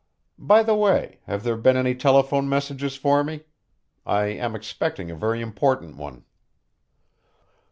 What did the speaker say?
By the way, have there been any telephone messages for me? I am expecting a very important one."